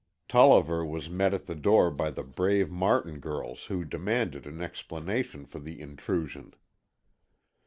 Tolliver was met at the door by the brave Martin girls who demanded an explanation for the intrusion.